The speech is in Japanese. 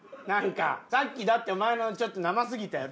さっきだってお前のちょっと生すぎたやん。